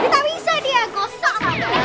kita bisa dia gosok